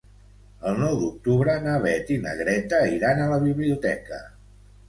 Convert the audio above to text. El nou d'octubre na Beth i na Greta iran a la biblioteca.